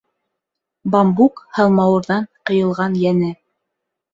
— Бамбук һалмауырҙан ҡыйылған йәне.